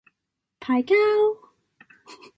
派膠